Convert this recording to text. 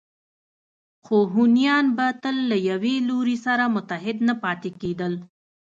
خو هونیان به تل له یوه لوري سره متحد نه پاتې کېدل